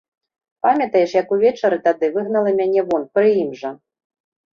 Памятаеш, як увечары тады выгнала мяне вон, пры ім жа?